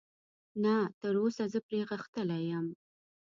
نه، تراوسه زه پرې غښتلی یم.